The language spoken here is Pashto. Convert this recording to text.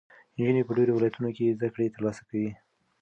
نجونې په ډېرو ولایتونو کې زده کړې ترلاسه کوي.